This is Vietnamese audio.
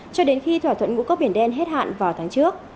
cho đến khi thỏa thuận ngũ cốc biển đen hết hạn vào tháng trước